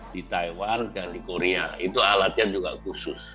di taiwan dan di korea itu alatnya juga khusus